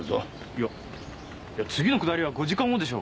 いや次の下りは５時間後でしょ？